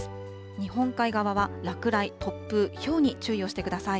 日本海側は落雷、突風、ひょうに注意をしてください。